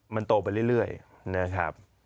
มันโตไปเรื่อยนะครับ